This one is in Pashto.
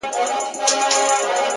راکوه سونډي خو دومره زیاتي هم نه,